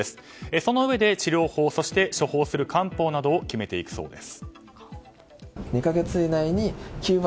そのうえで治療法や処方する漢方などを決めていくそうです。